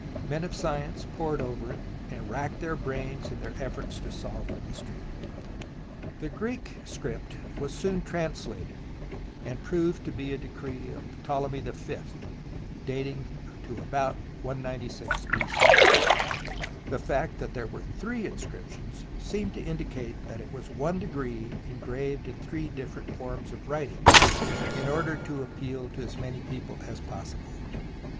Men of science pored over it and racked their brains in their efforts to solve the mystery. The Greek script was soon translated, and proved to be a decree of Ptolemy v, dating about 196 B.C. The fact that there were three inscriptions seemed to indicate that it was one decree engraved in three different forms of writing in order to appeal to as many people as possible.